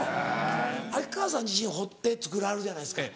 秋川さん自身彫って作らはるじゃないですか。